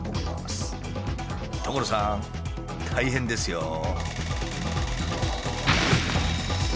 大変ですよ。